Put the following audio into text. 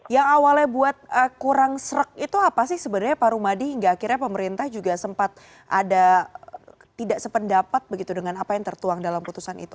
yang awalnya buat kurang serek itu apa sih sebenarnya pak rumadi hingga akhirnya pemerintah juga sempat ada tidak sependapat begitu dengan apa yang tertuang dalam putusan itu